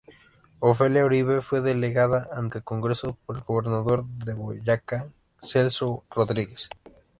Ofelia Uribe fue delegada ante el Congreso por el gobernador de Boyacá Celso Rodríguez.